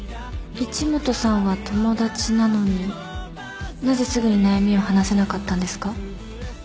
一本さんは友達なのになぜすぐに悩みを話せなかったんですか？